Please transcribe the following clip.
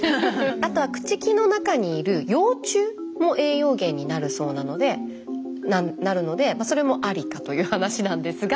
あとは朽ち木の中にいる幼虫も栄養源になるそうなのでそれもありかという話なんですが。